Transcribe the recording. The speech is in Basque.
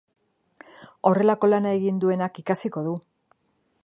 Horrelako lana egin duenak ikasiko du.